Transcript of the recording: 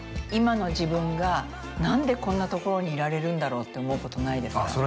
今の自分がなんでこんなところにいられるんだろうって思うことないですか？